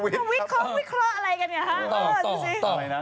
มันวิเคราะห์อะไรกันเนี่ยคะ